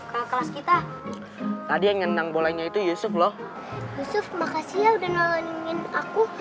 kakak kita tadi yang ngenang bolehnya itu yusuf loh yusuf makasih udah nolongin aku